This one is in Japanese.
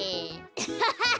アッハハハ。